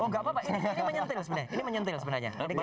oh nggak apa apa ini menyentil sebenarnya